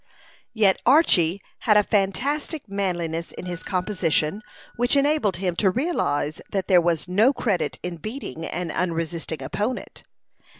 Yet Archy had a fantastic manliness in his composition, which enabled him to realize that there was no credit in beating an unresisting opponent.